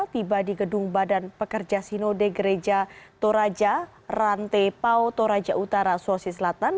tiba di gedung badan pekerja sino de gereja toraja rantepao toraja utara sulawesi selatan